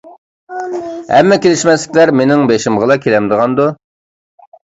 ھەممە كېلىشمەسلىكلەر مېنىڭ بېشىمغىلا كېلەمدىغاندۇ؟